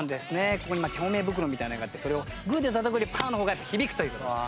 ここに共鳴袋みたいのがあってそれをグーでたたくよりパーの方が響くという事で。